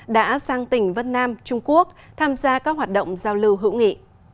đã sang tỉnh vân nam trung quốc tham gia các hoạt động giao lưu hữu nghị